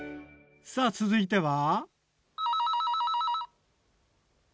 さあ続いては。